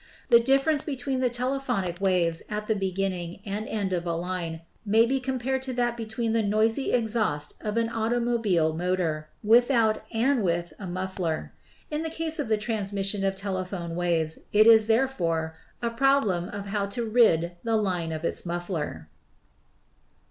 The difference between the telephonic waves at the beginning and end of a line may be compared to that be tween the noisy exhaust of an automobile motor without and with a muffler. In the case of the transmission of telephone waves it is, therefore, a problem of how to rid the line of its muffler.